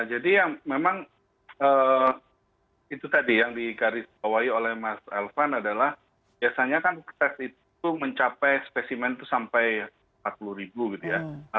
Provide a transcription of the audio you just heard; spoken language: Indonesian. jadi yang memang itu tadi yang dikarisbawahi oleh mas elvan adalah biasanya kan tes itu mencapai spesimen itu sampai empat puluh ribu gitu ya